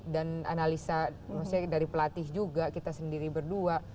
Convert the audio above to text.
dan analisa dari pelatih juga kita sendiri berdua